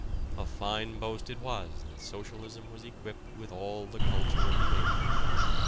A fine boast it was that socialism was equipped with all the culture of the age.